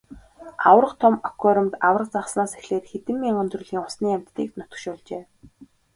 Аварга том аквариумд аварга загаснаас эхлээд хэдэн мянган төрлийн усны амьтдыг нутагшуулжээ.